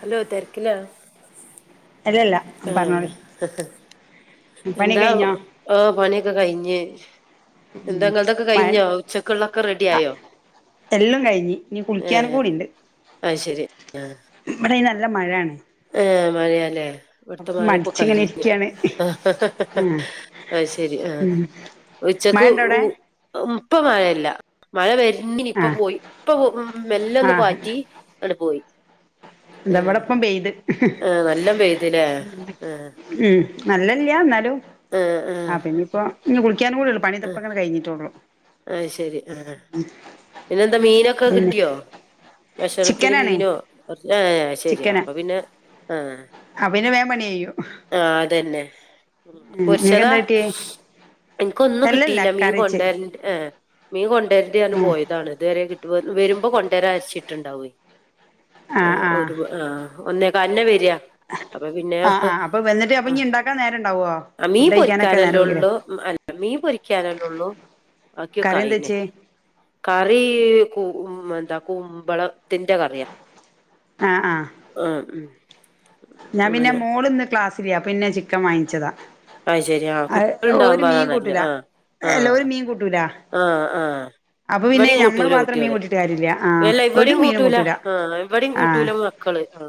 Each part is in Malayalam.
ഹലോ തിരക്കിലാ അല്ലല്ല ആഹ് പറഞ്ഞോളി പണി എന്താ കഴിഞ്ഞോ ഓ പണിയൊക്കെ കഴിഞ്ഞ് എന്താ നിങ്ങളുടേതൊക്കെ മഴ കഴിഞ്ഞോ ഉച്ചക്കുള്ളൊക്കെ റെഡി ആയോ എല്ലാം കഴിഞ്ഞ് ഇനി കുളിക്കാനും ഏഹ് കൂടിയുണ്ട് അത് ശരി നമ്മടെ നല്ല മഴയാണ് ആഹ് മഴയാ അല്ലേ ഇവിടുത്തെ മഴ ഇപ്പൊ മടിച്ചിങ്ങനെ കഴിഞ്ഞ് ഇരിക്കയാണ് ആ അത് ശരി ആ ഉം മഴ ഉച്ചക്ക് ഇണ്ടോ അവിടെ ഇപ്പോ മഴയില്ല മഴ വ ഇങ്ങനെ ആ ഇപ്പോ പോയി ഇപ്പ മെല്ല ആ ഒന്ന് പാറ്റി അങ്ങട്ട് പോയി എന്താ ആഹ് ഇവിടിപ്പം പെയ്ത് ആഹ് നല്ലോം പെയ്തില്ലേ ആ നല്ലതല്ല എന്നാലും ആഹ് ആ പിന്നിപ്പോ ഇനി കുളിക്കാനും കൂടി ഉള്ളൂ പണിയൊക്കെ ഇപ്പോ ആഹ് അങ്ങട്ട് കഴിഞ്ഞിട്ടേയുള്ളു അത് ശരി ആഹ് പിന്നെന്താ മീനൊക്കെ പിന്നെ കിട്ടിയോ ഭക്ഷണത്തിന് ചിക്കനാണ് മീനോ ഇറച്ചി ആഹ് ആഹ് ശരിയാ ചിക്കനാ അപ്പൊ പിന്നെ ആ ആ പിന്നെ വേഗം പണി കഴിയും ആ അത് തന്നെ ഉം നിങ്ങക്ക് പൊരിച്ചതാ എന്താ കിട്ടിയേ ഇൻക്ക് ഒന്നും അല്ലല്ല കിട്ടിയില്ല മീൻ കറി വെച്ച് കൊണ്ടര്ണ്ട് ഏഹ് മീൻ കൊണ്ടരണ്ട്ന്ന് പോയതാണ് ഇതുവരെ കിട് വെരുമ്പോ കൊണ്ടരാരിച്ചിട്ടുണ്ടാവെ ആ ആ ആഹ് ആ ഒരു മ ആഹ് ഒന്നേകാലിനാ വെരാ അപ്പൊ പിന്നെ അപ്പൊ വന്നിട്ട് അപ്പൊ ഇനി ആഹ് ഇണ്ടാക്കാൻ നേരം ഇണ്ടാവോ ആ മീ ഫുഡ് കഴിക്കാനൊക്കെ പൊരിക്കാനല്ലേ നേരം വെളുക്കില്ലേ ഉള്ളൂ അല്ല മീ മീൻ പൊരിക്കാനല്ലേ ഉളളൂ, ബാക്കിയൊക്കെ കറി എന്താ ആയിന്, വെച്ചേ കറി കു ഉം എന്താ കുമ്പളത്തിന്റെ കറിയാ ആഹ് ആഹ് ആഹ് ഉം ഞാൻ പിന്നെ അങ്ങനെ മോള്ന്ന് ക്ലാസ്സില്ലിയെ അപ് പിന്നെ അത് ശരി ആ അത് ഓര് കുട്ടികളുണ്ടാവുമ്പോ അതാ മീൻ നല്ലത് കൂട്ടൂല ആ ആ അല്ല ഓര് മീൻ കൂട്ടൂല ആ ആ അപ്പൊ പിന്നെ ഇവിടെയും ഞമ്മള് കൂട്ടൂല മാത്രം മീൻ കുട്ടികള് കൂട്ടിട്ട് കാര്യല്ല ആഹ് എല്ല ഒരു ഇവിടെയും മീനും കൂട്ടൂല ആഇവിടെയും ആഹ് കൂട്ടൂല പക്കള് ആ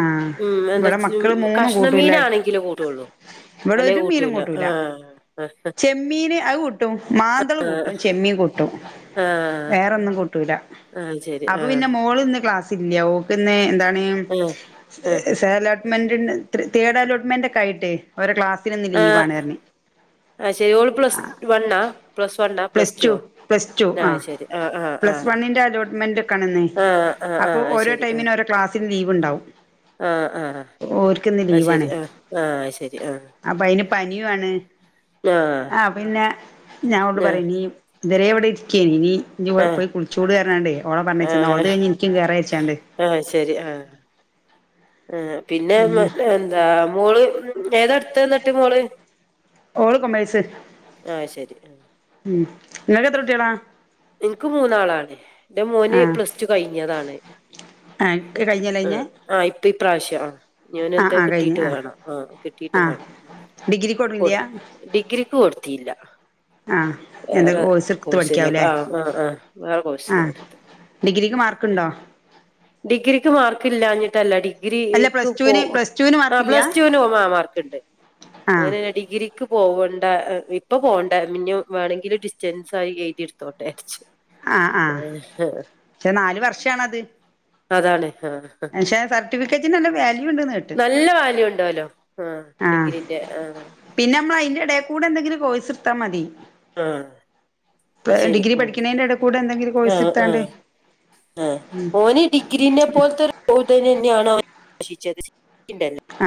ആഹ് ഉ എന്താ ഇവിടെ മക്കള് മൂന്നും കഷ്ണ കൂട്ടൂല മീനാണെങ്കില് കൂടുള്ളൂ ഇവിടെ ഒരു മീനും കൂട്ടൂല ആ ചെമ്മീന് അത് കൂട്ടും മാ മാന്തൾ ആ കൂട്ടും ചെമ്മീൻ കൂട്ടും ആ വേറൊന്നും കൂട്ടൂല ആ, ശരി അപ്പൊ ആ പിന്നെ മോൾ ഇന്ന് ക്ലാസ് ഓക്കന്ന് എന്താണ് ആ ആ സല തേർഡ് അോട്ട്മെന്റ് ഒക്കെ ആയി ട്ട്ഓര ക്ലാസ്സിൽ ഇന്ന് ആ ലീവാണ് ആ ശരി ഓള് പ്ലസ് വണ്ണാ പ്ലസ് വണ്ണാ plus plus two two plus two ആ പ്ലസ് വണ്ണിന്റെ അലോ്മെന്റ് ക്കാണ് ഇന്ന് ആ ആ ആ അപ്പോ ആ, ഓരോ ശരി ആ ടൈമിന് ക്ലാസിന് ലീവ് ഉണ്ടാവും ആ ആ ഓർക്ക്ന്ന് ആ ലീവാണ് ശരി ആ ആ ശരി ആ അപ്പൊ അതിന് പനിയും ആ ണ് ആ ആ് പിന്നെ ഞാനോണ്ട് ആ പറയ നീ ഇവരെ എവിടെ ഇരിക്കനനി ഇ ആ പോയി കുളിച്ചോൂട് പറഞ്ഞാണ്ട് ഓള പറഞ്ഞച്ചന്നാ ആഹ് ഓളത് കഴിഞ്ഞ് ഇ നിക്കും കേയറച്ചാണ്ട് ആ പിന്നെ മ എന്താ മോള് ഏതാ ഏടുത്തത്ത് എന്നിട്ട് മോള് ഓള് കൊമേഴ്സ് ആഹ് ശരി ആ. ഉം നിങ്ങക്ക് എത്ര കുട്ടികളാ എനിക്ക് മൂന്നാളാണ് എന്റെ മോന് പ്ലസ് ടു കഴിഞ്ഞതാണ് ആ ഇക്ക കഴിഞ്ഞല്ലഴിഞ്ഞ ആഹ് ആഹ് ഇപ്പ ഇപ്രാവശ്യം ആ ഞാൻ എന്താ കിട്ടീട്ട് ആഹ് വേണം ആ കിട്ടീട്ട് ആഹ് വേണം കൊ ഡിഗ്രിക്കൊന്നുല്ല ഡിഗ്രിക്ക് കൊടുത്തില്ല ആഹ് എന്താ വേറെ കോഴ്സ് എടുത്ത് കോഴ്സിനൊക്കെ പഠിക്കാവുല്ലേ ആ ആ ആ വേറെ കോഴസിന് ആഹ് കൊടുത്ത് ഡിഗ്രിക്ക് മാർക്കുണ്ടോ ഡിഗ്രിക്ക് മാർക്ക് ഇല്ലാഞ്ഞി അല്ല ഡിഗ്രിക്ക് പ്ലസ് പോ ടുവിന് പ്ലസ് ടുവിന് ആ മാർക്കില്ല പ്ലസ് ടുവിന് മാർക്ണ്ട് ആഹ് അങ്ങനെ ഡിഗ്രിക്ക് പോവന് ഇപ്പൊ പോകണ്ട പിന്നെ വേണമെങ്കിൽ ഡിസ്റ്റൻസ് ആ എഴുതി എടുത്തോട്ടെ വിചാരിച്ചു ആ ആ ഏഹ് പക്ഷെ നാല് വർഷാണത് അതാണ് ആ പക്ഷെ സർട്ടിഫിക്കറ്റിന് നല്ല വാല്യൂ ഉണ്ട്ന്ന് കേട്ട് നല്ല വല്യോ ഉണ്ടല്ലോ ആ ആഹ് ഗ്രിന്റെ ആ പിന്നെ നമ്മൾ അതിന്റെ ഇടൽ കൂടെ എന്തെങ്കിലും കോഴ്സ് എടുത്താൽ മതി ആ ഡിഗ്രി പഠിക്കുന്നതിന്റെ ഇടെകൂടെ എന്തെങ്കിലും കോഴസ് ഇടുത്താണ്ട്. ആ ഓന് ഡിഗ്രി നെ പോലത്തെ ചോദ്യം തന്നെയണോ ആഷിച്ചത് ആ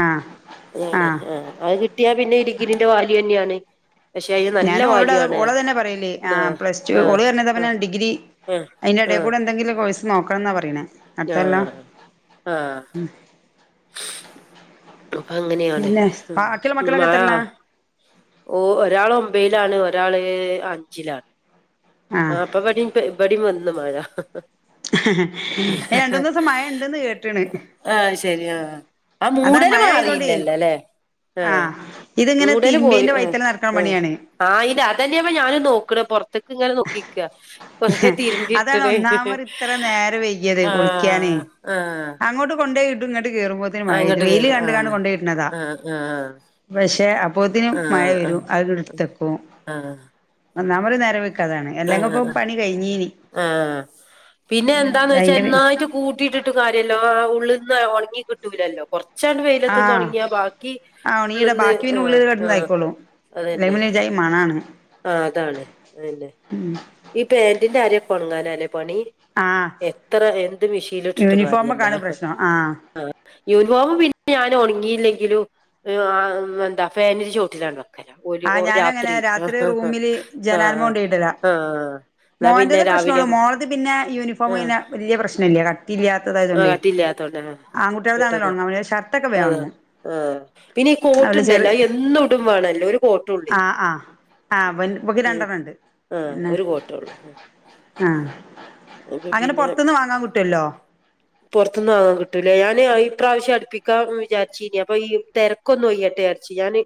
അതെ ആ അത് കിട്ടിയാ പിന്നെ ഇ ഡിഗ്രി ന്റെ വാല്യു ന്നെയാണ്. ഞാനും ഓളോട് ഓള് തന്നെ പറയൽ ആ ആഹ് പ്ലസ് ടു ആഹ് ഓള് പറഞ്ഞത് ആഹ് ഞാൻ ഡിഗ്രി ആഹ് അതിന്റെടൽ കൂടെ ആഹ് എന്തെങ്കിലും കോഴസ് നോക്കണം ന്നാ പറയണേ. അടുത്ത കൊല്ലം പ്പ അങ്ങനെയാണ് പിന്നെ ബാക്കിയുള്ള മ മക്കളൊക്കെ എത്രയിലാ ഓ ഒരാൾ ഒമ്പീലാണ് ഒരാള് അഞ്ചിലാണ്. ആ അപ്പൊ ബിട ബ്‌ടയും വന്ന് മഴ ഹ രണ്ട് ഹ മൂന്ന് ദിവസം മഴ ഉണ്ടെന്ന് കേട്ടണ് ഹ ആ ശരിയാ ആ അതാണ് മൂടല് മഴ ആയതുകൊണ്ട് മാറിയില്ലല്ലോ അല്ലേ ആ ഇതിങ്ങനെ മൂടല് പോയി. തിരുമ്പേന്റെ വൈത്തല നടക്കണ ആ പണിയാണ് ആ ഇത് അതന്നെയ ഞാനും നോക്കണ പുര്ത്തേക്ക് ഇങ്ങനെ നോക്കിക്ക കൊറേ അതാണ് തിരുമ്പിയിട്ടത് ഒന്നാമത് ഇത്ര നേരം വൈകിയത് ആ കുളിക്കാന് ആ അങ്ങോട്ട് കൊണ്ടോയി ഇടും ന്നിട്ട് ഇങ്ങോട്ട് കേയറുമ്പോത്തന് മഴ വെയില് കേറും കണ്ട കാണ് ആഹ് കൊണ്ടയി ഇടുന്നതാ ആഹ് ആഹ് പക്ഷെ അപ്പൊത്തിന് ആഹ് മഴ ആഹ് വരും അത് ഇ ടുത്തക്കും ആഹ് ഒന്നാമത് നേരം വക്കതാണ് അല്ലെങ്കി ഇപ്പ പണിഴിഞ്ഞീന് ആ പിന്നെ എന്താന്ന് വെച്ചാ അതിന്റെ പിന്നെ എന്നായിട്ട് കൂട്ടിട്ടിട്ടും കാര്യല്ലോ ഉള്ളുന്ന് ഉണങ്ങി കിട്ടൂലല്ലോ കൊറ റച്ചാണ്ട് വെയിലത്തന്ന് ആഹ് ഉണങ്ങിയാ ബാക്കി ആ ഉള്ള്ന്ന് ആഹ ആഹ ല്ലൈഒരുജായി മണാണ് ആ അതാണ് അതന്നെ ഈ പാന്റിന്റെ അരൊക്കെ ഒണങ്ങാനല്ലേ. പണി ആഹ് എത്ര എന്ത് മെഷീൽ ഇട്ടിട്ടും കാര്യല്ല. യൂണിഫോമൊക്കാണ് പ്രശ്നം ആഹ് ആ യൂണിഫോം പിന്നെ ഞാൻ ഉണങ്ങി ഇല്ലെങ്കിലും ആ മ്മ് എന്താ ഫാനിന്റെ ചുവട്ടിലാണ്ടോ ഒര ആ ഞാനങ്ങനെ രാത്രി ആ റൂമില് ആഹ് ആഹ മോന്റെത പ്രശ്നം ഉള്ളു മോളത് പിന്നെ യൂണിഫോം ആഹ് പിന്നെ വലിയ പ്രശ്ന ഇല്ല കട്ടി ഇല്ലാത്തതായത് കൊണ്ട് തന്നെ വേഗം അത ഉണങ്ങും ആ പിന്നെ കോട്ട്ണ്ടല്ലോ അതെന്നും ഇടും മാണല്ലോ ആ ആ ആ ബക്ക് രണ്ടെണ്ണം ഉണ്ട് ആ ഒരു കോട്ട് ഉള്ളൂ ആ. ആഹ അങ്ങനെ പൊറത്തന്ന് വാങ്ങാൻ കിട്ടുവല്ലോ പുറത്തുന്ന് വാങ്ങാൻ കിട്ടൂല്ലേ ഞാന് ഈപ്രാവശ്യം അടുപ്പിക്കാൻ വിചാരിചീന് അപ്പൊ ഈ തിരക്കൊന്ന് ഒയ്യാട്ടെ ഞാൻ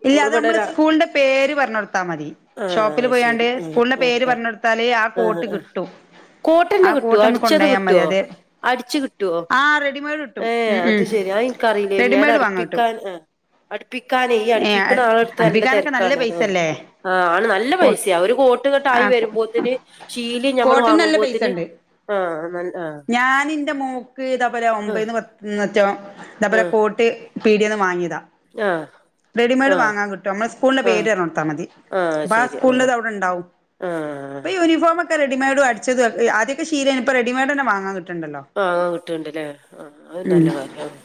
ഇല്ല അത് നമ്മള് സ്കൂളിന്റെ പേര് പറഞ്ഞ കൊടുത്താൽ മതി ഷോപ്പിൽ ആഹ് ശരി പോയാണ്ട് ആഹ് സ്കൂളിന്റെ ആഹ് പേര് ആഹ് പറഞൊട് ത്താലേ ആ കോട്ട് കിട്ടും കോട്ടൻ ആ കിട്ടുവോ കോട്ടൊന്ന് അടിച്ചത് കൊണ്ടോയാ മതി കിട്ടുവോ?? അത് അടിച്ചു കിട്ടുവോ ആ റെഡിമെയ്ഡ് കിട്ടും ഏ ഉം അത് ഉം ശരി ആ നിക്കറിലെനി ഞാൻ റെഡിമെയ്ഡ് വാങ്ങാൻ കിട്ടും അടുപ്പിക്കാൻ ആ അടുപ്പിക്കാൻ ഈ ഏ അടുപ്പിക്കുന്ന ആള അടുത്ത് നല്ല അടുപ്പിക്കാനൊക്കെ നല്ല തിരക്കാണ് പൈസല്ലേ ആ ആണ് നല്ല കോ പൈസ ഒരു കോട്ട്ങ്ങെട്ട ആ ആയി വരുമ്പോത്തിന് ശീലിം നമ്മൾ വാങ്ങുമ്പോത്തിന് ണ്ട് ആഹ് നല്ല ഞാനിന്റെ മോക്ക് ഇതാപലെ ആഹ് ഒൻപതിന് പത്തന്നറ്റോ ന്താ പോലെ കോട്ട് പീടിയന്ന് വാങ്ങിയതാ ആ റെഡിമെയ്ഡ് വാങ്ങാൻ കിട്ടും നമ്മള് സ്കൂളിന്റെ പേര് പറഞ്ഞുകൊടുത്താമതി ആഹ് ആഹ് അപ്പൊ ആ ശരി ആഹ് സ്ക്കൂളിന്റെത് അവിടെണ്ടാവും ഇപ്പ ആഹ് യൂണിഫോമൊക്കെ റെഡിമെയ്ഡും അടിച്ചത് ആദ്യക്കെ ശീലനും ഇപ്പൊ റെഡിമെയ്ഡ്ന്നെ വാങ്ങാൻ കിട്ടും കട്ടും ആ കിട്ടണ്ടല്ലേ ആഹ അത് ഉം നല്ല കാര്യാണ്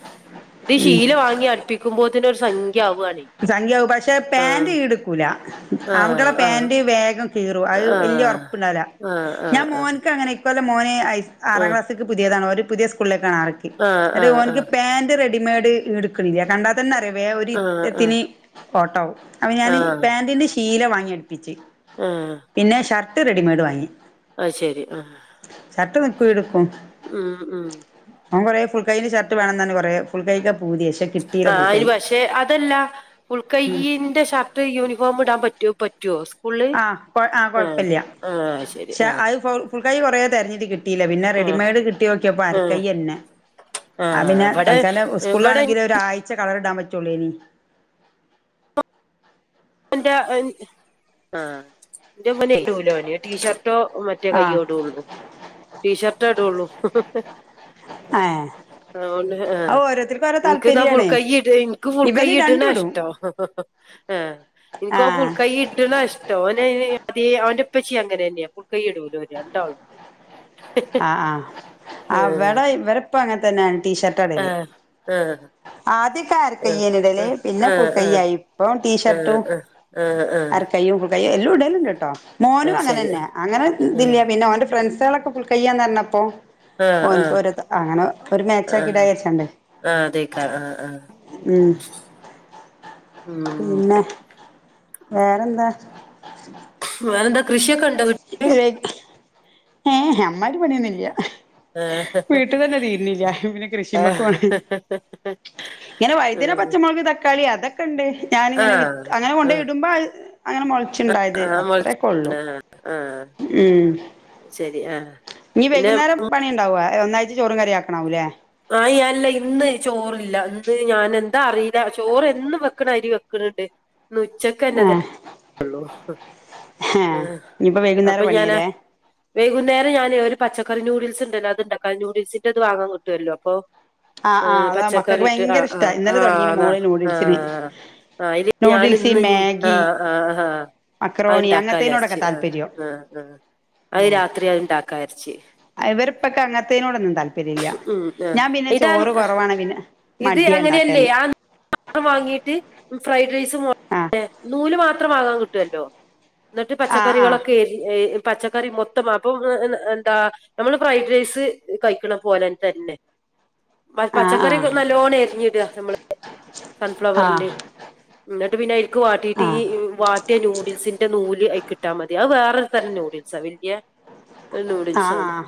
ഇത് ഉം ശീല വാങ്ങി അടുപ്പിക്കുമ്പോത്തി ത്തിന് ഒരു സംഖ്യ ആവുവാണെ സംഖ്യാവും പക്ഷെ പാന്റ്ഈടുക്കൂല ആഹ് ആൺകുട്ടോളെ ആഹ് പാന്റ് വേഗം കീറും അത് വലിയ ഉറപ്പ പ്പ്ണ്ടാവില്ല ആഹ് ഞാൻ ആഹ് ആഹ് മോൻക്കങ്ങനെ ഈ കൊല്ലം ലെമോൻ ഹൈസ് ആറാം ക്ലാസ്ക്ക് പുതിയതാണ് ഓര്പുതിയ സ്കൂളിലേക്ക് ആക്കി ന്നിട്ട് ആഹ് ആഹ് ആഹ് ഒരുപാന്റ് റെഡ ഡിമേട് ഇടുക്കണ്ല്ല കണ്ടാതന്നെ അറിയ വേഒരു ഉ ആഹ് ആഹ് ആഹ് എത്തിന് ഓട്ടാവും അപ്പൊ ഞാനി ആഹ് ആഹ് പാാന്റിന്റെ ശീല വാങ്ങി പിച്ച് പിന്നെ ഷർട്ട് റെഡിമെയഡ് വാങ്ങി അയ്ശെരി ആ ഷർട്ട് നിക്കും ഈടുക്കും ഓർ കുറെ ഫുൾക്കൈന്റെ ഷർട്ട് വേണം പറഞ്ഞ് കുറെ ഫുൾക്കെന്റെ പൂതിയ പക്ഷെ കിട്ടീല ആ ഫുൾ കൈ അന് പക്ഷെ അതല്ല ഫുൾ ക്കൈയിന്റെ ഷർട്ട് യൂണിഫോം ഇടാൻ പറ്റു റ്റു പറ്റോസ് ആ അ കൊഴപ്പില്ല അത് ശരി ക്ഷെ ആഹ് അത് ഫുൾ ഫുൾക്കൈ കുറേ തെരഞ്ഞിട്ട കിട്ട കിട്ടീല പിന്നെ ആഹ് റെഡിമെയ്ഡ് കിട്ടി നോക്കിയപ്പ ആഹ് അരക്കൈന്നെ ആ ആഹ് പിന്നെ ഇവിടെ തൽക്കാലം ഇവിടെ സ്കൂളിലാണെങ്കിൽ ഒരു ആഴി ച്ച കളറിടാൻ പറ്റുള്ളേനി ന്റെ അ ആ ന്റെമൊൻടുലോൻ ടീഷർ ട്ടോ മറ്റേ ആഹ് കയ്യോ ഇടുള്ളൂ ടീഷർേട്ട ഇടുള്ളൂ ഹ്‌ഹ ഏഹ് ആ ഓൻഹ അത് ഓരോരുത്തർക്കും ഓരോ നിക്ക്ന്നാ ഫുൾ താല്പര്യാണ് കൈ ഇട്ന്ന നിക്ക് ഫുൾ കൈ ഇവന് രണ്ടും ഇടും ഇടണ്ടണാഷ്ടം ആഅഅ ഏ നിക്കോന് ആഹ് ഫുൾക്കൈ ഇടണാഷ്ട്ടം ഓനെ അതെ അവന്റെ പ്പച്ചി അങ്ങനെ തന്നെയാ ഫുൾക്കൈ ഇടൂലോ രണ്ടാളു ആ ആഹ് ആ വിടെ ഇവരെപ്പ അങ്ങതനന്നെയാ ആഹ് ആഹ് ആദ്യൊക്കെ അരക്കയ്യേന് ഇടല് പിന്നെ ആ ഫുൾകൈയായി ഇപ്പം ആ ആ ടീഷർട്ടും ആ ആ അരക്കയ്യും ഫുൾ കൈയും എല്ലും ഇടല്ണ്ട്ട്ടോ ആ മോനും ശരി അങ്ങനെന്നെ ആ അങ്ങനെ ഇതില്ല പിന്നെ ഒന്റെ ഫ്രണ്ട്സാളൊക്കെ ഫുൾ കൈ കൈയാന്നാറിഞ്ഞപ്പോ ആ ആ ഓനിക്കൊരുത് അങ്ങനെ ഒരു ആ മാച്ചാക്കി ഇടാവിചാരിച്ചാണ്ടേ ആ അതേക്കാ ആ ആ ഉം ഉം പിന്നെ, വേറെന്താ? വെറെന്താ കൃഷിയൊക്കെണ്ട് [unintelligible] ഏഹ് അമ്മാതിരി പണിയൊന്നുല്ല ആ വീട്ടുതന്നെ തീരുന്നില്ല പിന്നെ ആഹ് കൃഷിമ്മക്കോണെ ഇങ്ങനെ വഴുതിന, ആഹ് പച്ചമൊളക്, തക്കാളി അതൊക്ക് ഞാനിങ്ങനെ വിത്ത് ആഹ് അങ്ങനെ കൊണ്ടോയിടുമ്പോ അങ്ങനെ മൊളച്ച്ണ്ടായത് ആഹ് മൊളച്ച് അത്രേക്കൊള്ളു ആഹ് ആഹ് ഉം ശരി ആഹ് ഇനി പിന്നെ വൈകുന്നേരം പണി ഇണ്ടാവോ? ഏ ഒന്നായിറ്റ് ചോറും, കറിയൂ ആക്കണാവൂല്ലേ? ആഹ് ഞാനല്ല ഇന്ന് ചോറില്ല ഇന്ന് ഞാനെന്താ അറിയില്ല ചോറ് എന്നും വെക്കണാരി വെക്കണണ്ട് ഇന്ന് ഉച്ചക്കന്നെ തെ ആഹ് ഉള്ളൂ ഹേ ആഹ് ഇനിയിപ്പോ അപ്പൊ വൈകുന്നേരം ഞാനാ പണിയല്ലേ വൈകുന്നേരം ഞാന് ഒരു പച്ചക്കറി നൂഡിൽസ് ഇണ്ടല്ലോ അത്ണ്ടാക്കാ നൂഡിൽസിന്റെ അത് വാങ്ങാൻ കിട്ടല്ലോ അപ്പൊ ആഹ് അതാ മക്കൾക്ക് പച്ചക്കറിട്ട് ഭയങ്കര ആഹ് ഇഷ്ടാ ആഹ് ഇന്നലെ ആഹ് തുടങ്ങീന് ആനാ മോള് നൂഡിൽസിന് ആഹ് അയിന് നൂഡിൽസ് ഞാനിന്ന് ഇനി മാഗി ആഹ് ആഹ് ആഹ് മക്രോണി അങ്ങനത്തേനോടൊക്കെ അയ്ണ്ടാക്കവിചാരിച്ച് ആഹ് താല്പര്യം ആഹ് ആഹ് അയ് രാത്രി അയ്ണ്ടാക്കാരിച്ച് ആവരിപ്പൊക്ക അങ്ങനെത്തേനോടൊന്നു ഉം ആഹ് ഇതാ കുറവാണ് പിന്നെ ഇത് മടിയാ അങ്ങനെയല്ലേ ഉണ്ടാക്കാന് മാത്രം വാങ്ങീട്ട് ഫ്രൈഡ് റൈസും ആഹ് നൂല് മാത്രം വാങ്ങാൻ കിട്ടുവല്ലോ എന്നിട്ട് ആഹ് ആഹ് പച്ചക്കറികളൊക്കെ എരി ഏഹ് പച്ചക്കറി മൊത്തം അപ്പൊ ഏ എന്താ നമ്മള് ഫ്രൈഡ് റൈസ് കഴിക്കണം പോലെ തന്നെ പ പച്ചക്കറി ആഹ് നല്ലോണം എരിഞ്ഞിട നമ്മള് സൺഫ്ലവറില് ആഹ് എന്നിട്ട് പിന്നെ അയില്ക്ക് വാട്ടീട്ട് ആഹ് ഈ ആഹ് വാട്ടിയ നൂഡിൽസിന്റെ നൂല് അയ് കിട്ടാ മതി ആത് വേറൊരു തരം നൂഡിൽസാ വെല്യ ആഹ് ആഹ്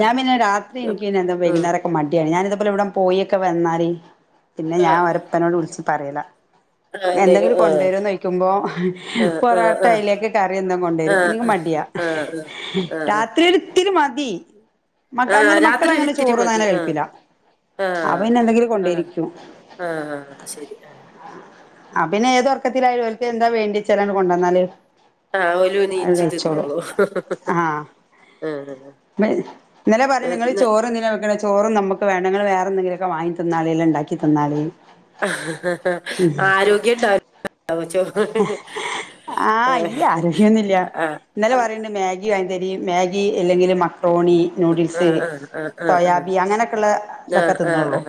ഞാൻ പിന്നെ രാത് ത്രി എനിക്കിന എന്താ ആ വൈുന്നേരംക്കെ മടിയാണ് ഞാനിതപ്പോലെ ഇവിടെ പോയിക്കെ വന്നാല് പിന്നെ ഞാൻ ആ ഒരപ്പനോട് വിളിച്ച് പറയല. ആ എന്തേലും എന്തെങ്കിലും ആ കൊണ്ടുവരോന്ന് ഓയ്ക്കുമ്പോ ആ ആ പൊറോട്ട അയ്ലേക്ക് കറി എന്തും ആ ആ കൊണ്ടുവരും മടിയ ആ ആ ആ ആ രാത്രി ഒരിത്തിരി മതി മക്ക ആ അങ്ങനെ മക്കള അങ്ങനെ ചോറ് ഒന്ന്ങ്ങനെ കഴിപ്പില്ല ആഹ് ആണ് ആഹ് ശെരിയാണ് ആ പിന്നെ ഏത് ഒർക്കത്തിലായാലും ഓല്ക്ക് എന്താ വേണ്ടിച്ചാല് മ്മള് കൊണ്ടുവന്നാല് ആ ഓലു എണിച്ച് തിന്നോളൂ ആഹ് ആ ഇന്നലെ ആ പറയാ നിങ്ങള് ന്ന് ചോറെന്തിന വെക്കണെ ചോറും നമ്മുക്ക് വേണങ്ങൾ വേറെന്തെങ്കിലുക്കെ വാങ്ങി തിന്നാളി അല്ല ഇണ്ടാക്കിതിന്നാളി ആരോഗ്യം ഉണ്ടാവ് [unintelligible] വെച്ചോ ആഹ് ഇല്ല ആരോഗ്യൊന്നുഇല്ല്യ ആ ഇന്നലെ പറയണ് മെ മ്യാഗി വേണ്ട ഇനി മ്യാഗി ഇല്ലെങ്കിൽ മക് റോണി ആ നൂഡിൽസ് ആ ആ ആ ആ സോയാബി അങ്ങനെയൊക്കെയള്ള ഇതൊക്കെ തിന്നോളും.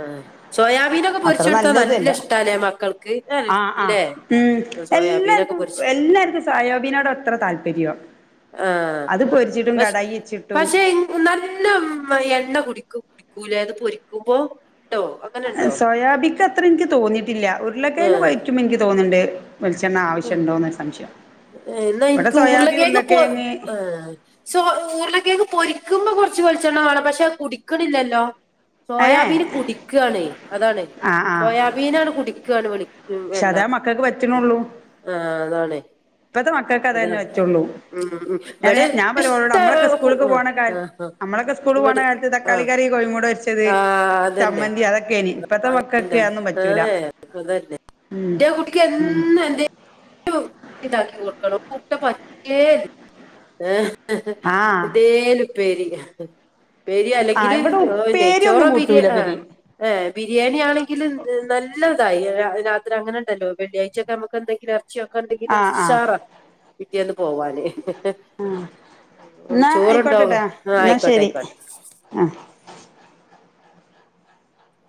ആഹ് സോയാബീനൊക്കെ അത്ര പൊരിച്ചെടുത്താ നല്ലതു നല്ല അല്ല ഇഷ്ടല്ലേ മക്കൾ ആഹ് ആഹ് ഉം സോയാബീനൊക്കെ എല്ലാർക്കും പൊരിച്ച് എല്ലാർക്കും സയോബിനോട് അത്ര താല്പര്യോ- ആഹ് പഷ് വെച്ചിട്ടും പക്ഷെ നല്ല എണ്ണ കുടിക്കും. ക്കുലെ അത് പൊരിക്കുമ്പോ ഉണ്ടോ അങ്ങനെ ഉണ്ടോ സോയാബിക്ക് അത്ര എനിക്ക് തോന്നിയിട്ടില്യാ ആ ഉരുളക്കിഴങ്ങ് പൊരിക്കുമ്പോ എനിക്ക് തോന്നിണ്ട് ആവശ്യണ്ടോന്ന് സംശയം എന്നാ ഇവിടെ എനിക്ക് സോയാബി ഉരുളക്കെങ്ങു പൊ ഉരുളക്കിഴങ്ങ് എ സൊ ഉരുളക്കെങ്ങു പൊരിക്കുമ്പോ കൊർ ച്ച് വെളിച്ചെണ്ണ വേണം പക്ഷെ കുടിക്കണില്ലല്ലോ ഏഹ് സോയാബീന് കുടിക്കാണ് അതാണ് ആഹ് ആഹ് സോയാബീന് ആണ് കുടിക്കയാണ് വെളി പക്ഷെ അതാ മക്കക്ക് പറ്റുന്നുള്ളൂ ആഹ് അതാണെ ഇപ്പത്തെ മക്കക്ക് അത് തന്നെ പറ്റൂള്ളൂ ഉം ഞാന് ഇവിടെ ഞാൻ പറയും ഓളോട് ഇഷ്ട നമ്മളൊക്കെ കു സ്കൂളക്ക് ആഹ് പോണ കാല് ആഹ് നമ്മളൊക്കെ സ്കൂൾ പോണ ഇവിടെ കാലത്ത് തക്കാളി ആഹ് കറി കോഴിമുട ആഹ് അതന്നെ അ ഇപ്പത്തെ [unintelligible] മക്കൾക്ക് അതന്നെ അതൊന്നും പറ്റൂല ഉം എന്റെ കുട്ടിക്ക് ഉം എന്നും എന്തേലും ഇതാക്കികൊട് മുട്ട പറ്റേ ഇല്ല ആഹ് എന്തെലും പ്പേരി പ്പേരി അല്ലെങ്കിൽ ആഹ് ഇവിടെ ചോ ഉപ്പേരി നെയ്ചോറോ ഒന്നും ബിരി കൂട്ടൂല ആ ഇവര് ആ ബിരിയാണി ആണെങ്കിൽ നല്ലതായി രാത്രി അങ്ങനെ ഉണ്ടല്ലോ വെള്ളിയാഴ്ചൊക്കെ നമുക്ക് എന്തെങ്കിലും എറച്ചി ച്ചൊക്കെ ഉണ്ടെങ്കിൽ ആഹ് ആഹ് ഷാറ പിറ്റേന്ന് പോവാന് ഹ് ഹ് എന്നാ ചോറണ്ടാവും ആയിക്കോട്ടെട്ടാ ആഹ് എന്നാ ആയിക്കോട്ടെ ശരി ആയിക്കോട്ടെ ആ